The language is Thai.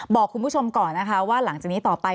บอกคุณผู้ชมก่อนนะคะว่าหลังจากนี้ต่อไป